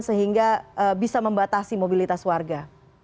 sehingga bisa membatasi mobilitas warga